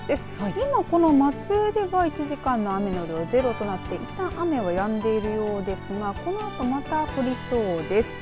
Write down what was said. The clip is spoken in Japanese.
今この松江では１時間の雨の量ゼロとなっていったん雨は止んでいるようですがこのあとまた降りそうです。